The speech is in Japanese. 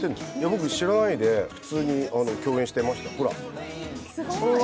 僕知らないで普通に共演していました。